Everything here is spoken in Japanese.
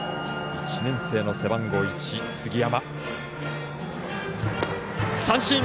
１年生の背番号１、杉山。